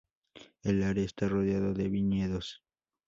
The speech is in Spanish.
El área está rodeado de viñedos.